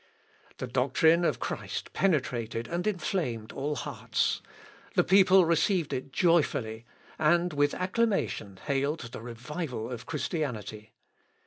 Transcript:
The doctrine of Christ penetrated and inflamed all hearts. The people received it joyfully, and with acclamation hailed the revival of Christianity.